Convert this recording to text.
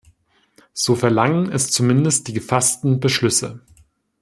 So verlangen es zumindest die gefassten Beschlüsse.